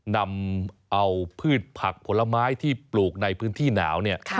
นำเอาพืชผักผลไม้ที่ปลูกในพื้นที่หนาวเนี่ย